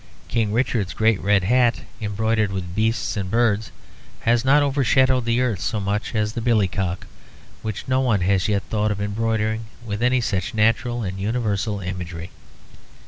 King Richard's great red hat embroidered with beasts and birds has not overshadowed the earth so much as the billycock, which no one has yet thought of embroidering with any such natural and universal imagery.